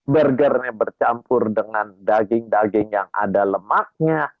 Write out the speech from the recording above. burgernya bercampur dengan daging daging yang ada lemaknya